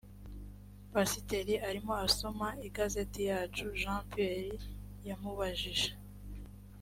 pasiteri arimo asoma igazeti yacu jean pierre yamubajije